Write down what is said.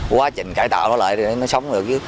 quá trình cải tạo nó lại nó sống được